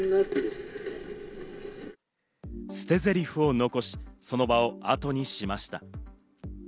捨てゼリフを残し、その場をあとにしました。